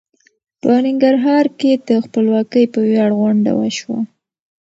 په ننګرهار کې د خپلواکۍ په وياړ غونډه وشوه.